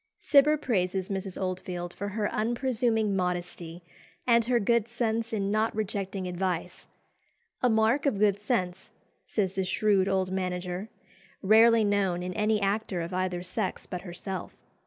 Cibber praises Mrs. Oldfield for her unpresuming modesty, and her good sense in not rejecting advice "A mark of good sense," says the shrewd old manager, "rarely known in any actor of either sex but herself.